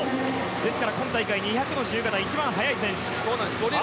ですから今大会２００ｍの自由形一番速い選手です。